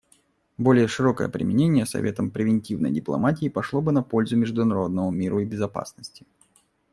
Более широкое применение Советом превентивной дипломатии пошло бы на пользу международному миру и безопасности.